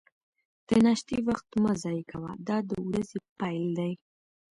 د ناشتې وخت مه ضایع کوه، دا د ورځې پیل دی.